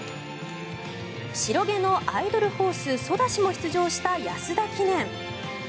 白毛のアイドルホース、ソダシも出場した安田記念。